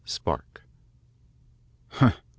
SPARK. "Humph!"